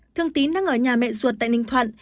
thương tín đang ở nhà mẹ ruột tại ninh thuận